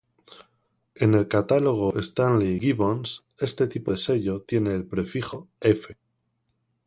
En el catálogo Stanley Gibbons, este tipo de sello tiene el prefijo "F".